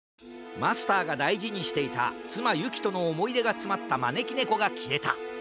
マスターがだいじにしていたつまゆきとのおもいでがつまったまねきねこがきえた。